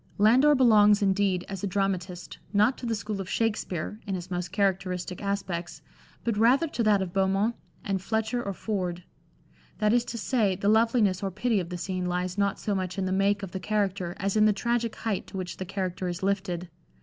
Landor belongs, indeed, as a dramatist, not to the school of Shakspere (in his most characteristic aspects), but rather to that of Beaumont and Fletcher or Ford ; that is to say, the loveliness or pity of the scene lies not so much in the make of the character as in the tragic height to which the character is lifted.